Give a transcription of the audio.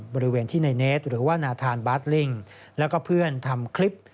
บริเวณที่ในเนสหรือว่านาธานบาร์ดลิ่งแล้วก็เพื่อนทำคลิป